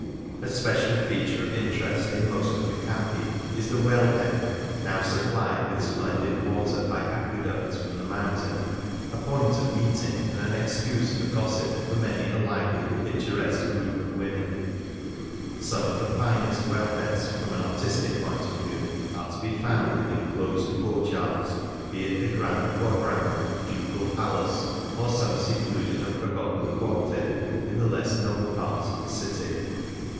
A special feature of in terest in most of the camyi is the well head, now supplied with splendid water by aqueduct from the mountain — a point of meeting and an excuse for gossip for many a lively and pic turesque group of women. Some of the finest well heads, from an artistic point of view, are to be found in enclosed courtyards, be it the grand quadrangle of the Ducal Palace or some secluded and forgotten corte in the less known parts of the city.